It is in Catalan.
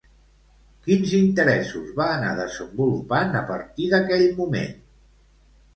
Quins interessos va anar desenvolupant a partir d'aquell moment?